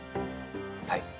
はい。